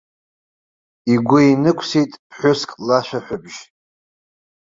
Игәы инықәсит ԥҳәыск лашәаҳәабжь.